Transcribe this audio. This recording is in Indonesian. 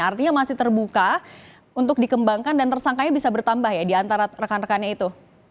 artinya masih terbuka untuk dikembangkan dan tersangkanya bisa bertambah ya diantara rekan rekannya itu